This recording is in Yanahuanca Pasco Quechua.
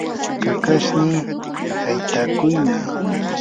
kakashnii haytakuqmi.